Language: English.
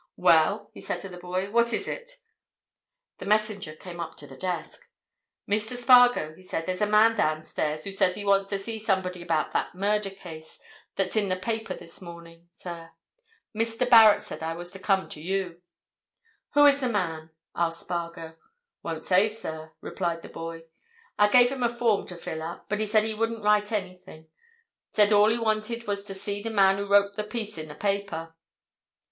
"Well?" he said to the boy. "What is it?" The messenger came up to the desk. "Mr. Spargo," he said, "there's a man downstairs who says that he wants to see somebody about that murder case that's in the paper this morning, sir. Mr. Barrett said I was to come to you." "Who is the man?" asked Spargo. "Won't say, sir," replied the boy. "I gave him a form to fill up, but he said he wouldn't write anything—said all he wanted was to see the man who wrote the piece in the paper."